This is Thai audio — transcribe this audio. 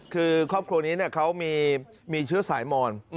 คือครอบครัวนี้เขามีเชื้อสายมอน